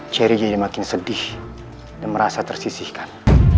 cherry jadi makin sedih dan merasa tersisihkan